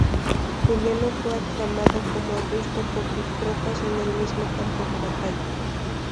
Juliano fue aclamado como Augusto por sus tropas en el mismo campo de batalla.